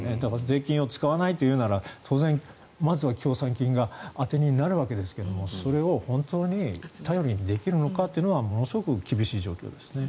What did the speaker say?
税金を使わないというならまずは協賛金が当てになるわけですけどもそれを本当に頼りにできるのかはものすごく厳しい状況ですね。